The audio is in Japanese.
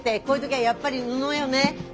こういう時はやっぱり布よね。